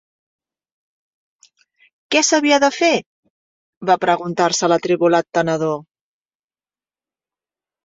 Què s'havia de fer?, va preguntar-se l'atribolat tenedor.